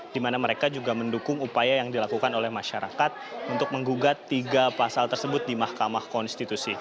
di mana mereka juga mendukung upaya yang dilakukan oleh masyarakat untuk menggugat tiga pasal tersebut di mahkamah konstitusi